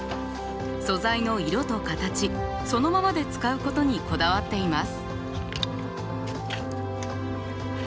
素材の色と形そのままで使うことにこだわっています。